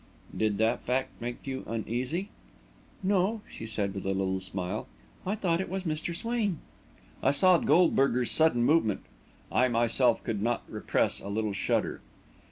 "Did that fact make you uneasy?" "No," she said, with a little smile. "I thought it was Mr. Swain." I saw Goldberger's sudden movement. I myself could not repress a little shudder.